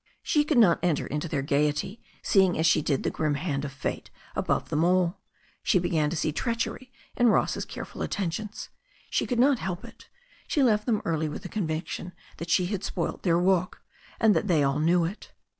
She could not enter into their gaiety, seeing as she did the grim hand of fate above them all. She beg^n to see treachery in Ross's careful attentions. She could not help it She left them early with the conviction that she had spoilt their walk, and that they all knew it.